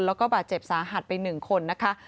แล้วก็บาดเจ็บสาหัสไป๑คนนะคะ